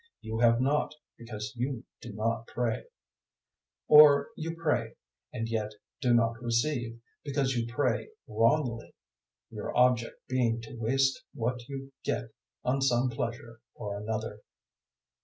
You have not, because you do not pray; 004:003 or you pray and yet do not receive, because you pray wrongly, your object being to waste what you get on some pleasure or another.